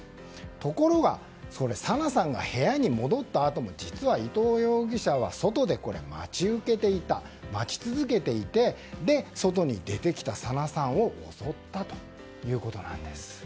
ところが、紗菜さんが部屋に戻ったあとも実は伊藤容疑者は外で待ち続けていて外に出てきた紗菜さんを襲ったということなんです。